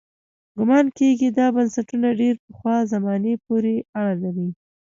ګومان کېږي دا بنسټونه ډېرې پخوا زمانې پورې اړه لري.